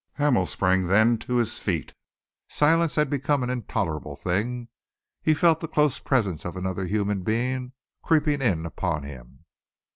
Hamel sprang then to his feet. Silence had become an intolerable thing. He felt the close presence of another human being creeping in upon him.